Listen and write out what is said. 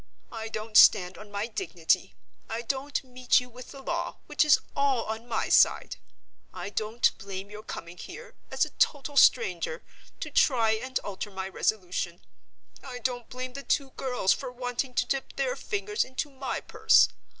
I don't stand on my dignity; I don't meet you with the law, which is all on my side; I don't blame your coming here, as a total stranger, to try and alter my resolution; I don't blame the two girls for wanting to dip their fingers into my purse.